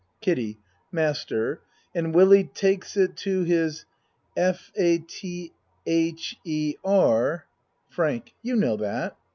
KIDDIE Master and Willie takes it to his f a t h e r? FRANK You know that.